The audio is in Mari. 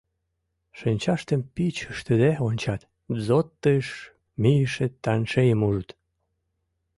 Шинчаштым пич ыштыде ончат, ДЗОТ-ыш мийыше траншейым ужыт.